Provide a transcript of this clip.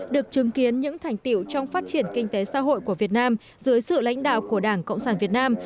được chứng kiến những thành tiệu trong phát triển kinh tế xã hội của việt nam dưới sự lãnh đạo của đảng cộng sản việt nam